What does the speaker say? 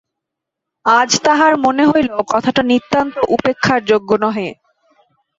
আজ তাহার মনে হইল, কথাটা নিতান্ত উপেক্ষার যোগ্য নহে।